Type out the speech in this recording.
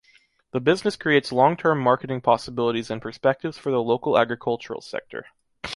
The business creates long-term marketing possibilities and perspectives for the local agricultural sector.